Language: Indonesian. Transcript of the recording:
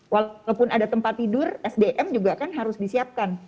walaupun ada tempat tidur sdm juga kan harus disiapkan